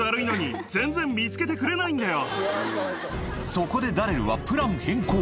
そこでダレルはプラン変更